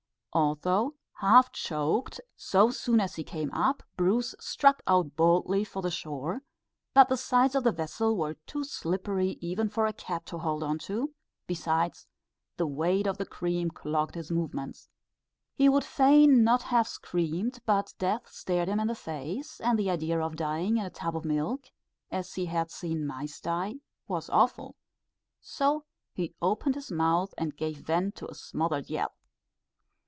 Although half choked, so soon as he came up, Bruce struck out boldly for the shore, but the sides of the vessel were too slippery even for a cat to hold on to; besides, the weight of the cream clogged his movements. He would fain not have screamed, but death stared him in the face, and the idea of dying in a tub of milk, as he had seen mice die, was awful; so he opened his mouth and gave vent to a smothered yell.